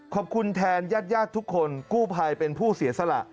ขอบคุณแทนญาติญาติทุกคนกู้ภัยเป็นผู้เสียสละ